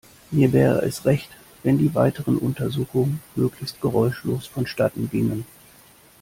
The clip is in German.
Mir wäre es recht, wenn die weiteren Untersuchungen möglichst geräuschlos vonstatten gingen.